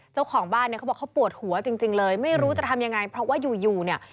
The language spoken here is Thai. เจ้าของบ้านเนี่ยเขาบอกเขาปวดหัวจริงเลยไม่รู้จะทำยังไงเพราะว่าอยู่อยู่เนี่ย